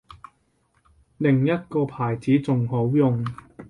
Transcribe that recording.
另一個牌子仲好用